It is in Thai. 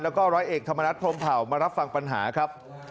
แล้วก็ร้อยเอกธรรมนัฐพรมเผามารับฟังปัญหาครับ